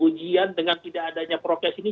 ujian dengan tidak adanya prokes ini